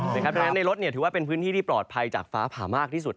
ดังนั้นในรถถือว่าเป็นพื้นที่ที่ปลอดภัยจากฟ้าผ่ามากที่สุด